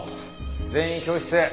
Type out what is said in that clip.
全員教室へ。